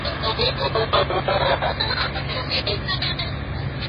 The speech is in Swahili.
wa kugeuza umbo la glutamati katika Mara mtu ageukapo kutoka matumizi